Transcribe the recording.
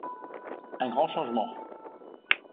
Un grand changement.